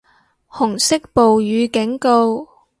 紅色暴雨警告